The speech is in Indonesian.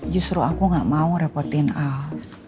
justru aku gak mau repotin al